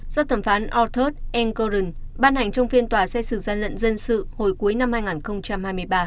do thẩm phán arthur n curran ban hành trong phiên tòa xét xử gian lận dân sự hồi cuối năm hai nghìn hai mươi ba